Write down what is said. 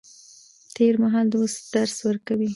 تېر مهال د اوس درس ورکوي.